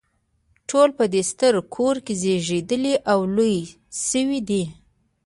ټول په دې ستر کور کې زیږیدلي او لوی شوي دي.